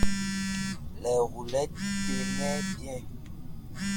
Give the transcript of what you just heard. Les roulettes tenaient bien.